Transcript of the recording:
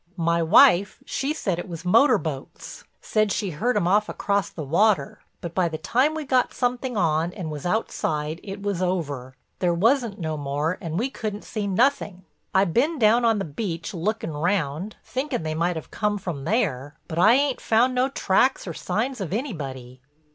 My wife, she said it was motor boats, said she heard 'em off across the water. But by the time we got something on and was outside it was over. There wasn't no more and we couldn't see nothing. I bin down on the beach lookin' round, thinkin' they might have come from there, but I ain't found no tracks or signs of anybody."